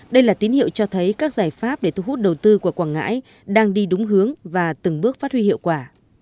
đây là tín hiệu cho thấy các giải pháp để thu hút đầu tư của quảng ngãi đang đi đúng hướng và từng bước phát huy hiệu quả